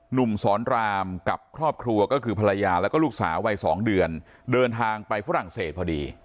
หนุ่มสอนรามกับครอบครัวก็คือภรรยาแล้วก็ลูกสาววัย๒เดือนเดินทางไปฝรั่งเศสพอดี